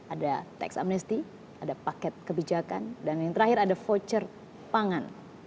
ada tax amnesty ada paket kebijakan dan yang terakhir ada voucher pangan